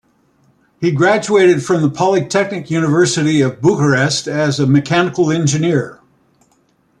He graduated from the Polytechnic University of Bucharest as a mechanical engineer.